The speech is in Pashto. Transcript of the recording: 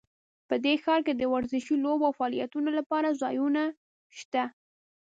په دې ښار کې د ورزشي لوبو او فعالیتونو لپاره ځایونه شته